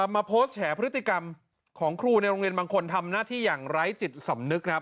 มาโพสต์แฉพฤติกรรมของครูในโรงเรียนบางคนทำหน้าที่อย่างไร้จิตสำนึกครับ